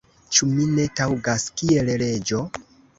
ĉu mi ne taŭgas kiel reĝo?